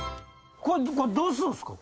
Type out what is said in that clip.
これどうするんすか？